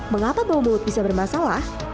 mengapa bau mulut bisa bermasalah